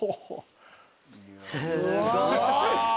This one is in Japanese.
すごーい！